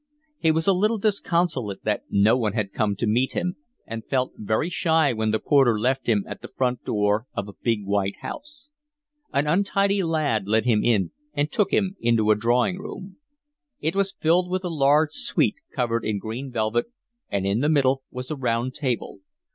He was a little disconsolate that no one had come to meet him, and felt very shy when the porter left him at the front door of a big white house. An untidy lad let him in and took him into a drawing room. It was filled with a large suite covered in green velvet, and in the middle was a round table.